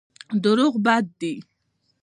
دروغ بد دی.